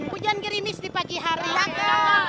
hujan gerinis di pagi hari panas menyengat di kota lampung